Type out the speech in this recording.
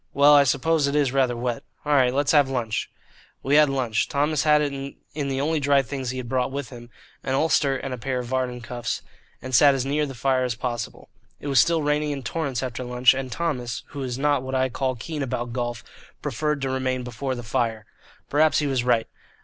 Well, I suppose it is rather wet. All right, let's have lunch." We had lunch. Thomas had it in the only dry things he had brought with him an ulster and a pair of Vardon cuffs, and sat as near the fire as possible. It was still raining in torrents after lunch, and Thomas, who is not what I call keen about golf, preferred to remain before the fire. Perhaps he was right.